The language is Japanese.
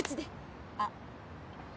あっ。